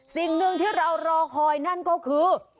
สิ่งหนึ่งที่เรารอคอยนั่นก็คือ